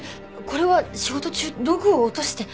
これは仕事中道具を落として。